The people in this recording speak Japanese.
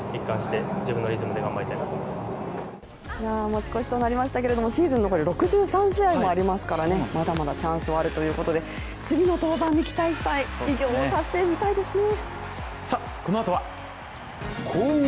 持ち越しとなりましたけれども、シーズン残り６３試合もありますからね、まだまだチャンスはあるということで次の登板に期待したい、偉業の達成、みたいですね。